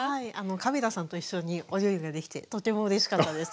カビラさんと一緒にお料理ができてとてもうれしかったです。